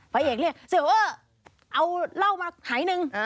พระเอกเรียกเอาเหล้ามาหายหนึ่ง